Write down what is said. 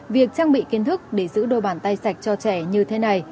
việc trang bị kiến thức để giữ đôi bàn tay sạch cho trẻ như thế này